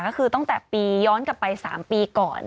ก็คือตั้งแต่ปีย้อนกลับไป๓ปีก่อน